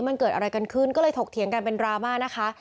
มันเกิดอะไรกันขึ้นก็เลยถกเถียงกันเป็นดราม่านะคะ